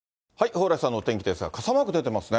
蓬莱さんのお天気ですが、傘マーク出てますね。